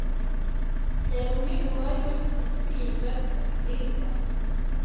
yari umwe mubari bagize itsinda ryaririmbaga